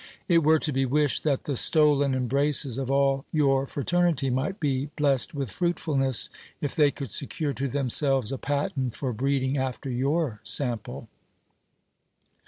It were to be wished that the stolen embraces of all your fraternity might be bless ed with fruitfulness, if they could secure to themselves a patent for breeding after your sample.